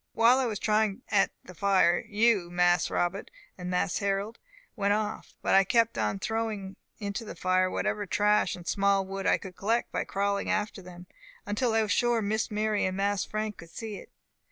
While I was trying at the fire, you, Mas Robbut and Mas Harrol, went off; but I kept on throwing into the fire whatever trash and small wood I could collect by crawling after them, until I was sure Miss Mary and Mas Frank would see it.